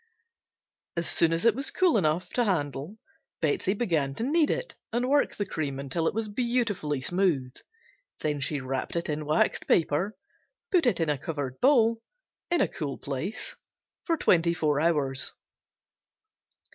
As soon as it was cool enough to handle Betsey began to knead it and work the cream until it was beautifully smooth, then she wrapped it in waxed paper, put in a covered bowl, in a cool place, for twenty four hours.